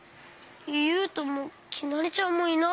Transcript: ゆうともきなりちゃんもいない。